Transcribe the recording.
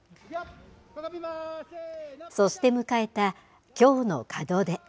そして迎えたきょうの門出。